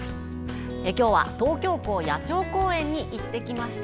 今日は東京港野鳥公園に行ってきました。